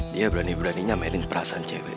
dia berani beraninya mainin perasaan cewek